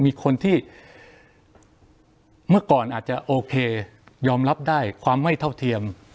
มีคนที่เมื่อก่อนอาจจะโอเคยอมรับได้ความไม่เท่าเทียม